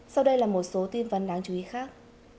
sau đây là một số tin văn đáng chú ý khác